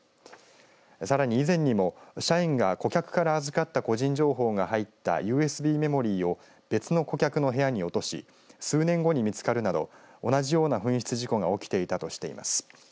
さらに、以前にも社員が顧客から預かった個人情報が入ったＵＳＢメモリーを別の顧客の部屋に落とし数年後に見つかるなど同じような紛失事故が起きていたとしています。